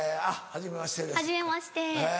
はじめまして。